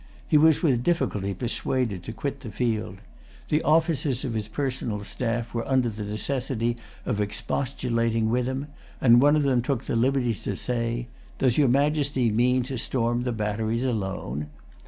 He was with difficulty persuaded to quit the field. The officers of his personal staff were under the necessity of expostulating with him, and one of them took the liberty to say, "Does your Majesty mean to storm the batteries alone?"